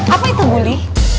apa itu buli